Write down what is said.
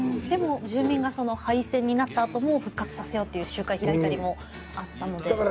でも住民が廃線になったあとも復活させようっていう集会開いたりもあったので。